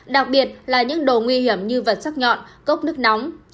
đặc biệt là những đồ nguy hiểm như vật sắc nhọn cốc nước nóng